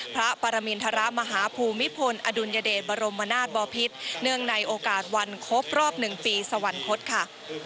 พระปรมินทรมาฮภูมิพลอดุลยเดชบรมนาศบอพิษเนื่องในโอกาสวันครบรอบ๑ปีสวรรคตค่ะ